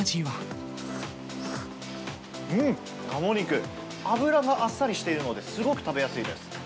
うん、鴨肉、脂があっさりしているので、すごく食べやすいです。